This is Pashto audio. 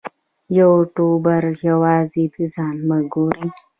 یوټوبر یوازې د ځان مه ګوري.